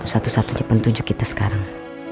satu satu di petunjuk kita sekarang